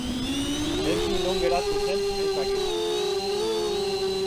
Sevgi non geratu zen ez dakit.